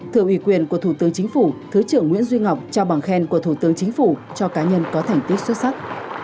thưa ủy quyền của thủ tướng chính phủ thứ trưởng nguyễn duy ngọc trao bằng khen của thủ tướng chính phủ cho cá nhân có thành tích xuất sắc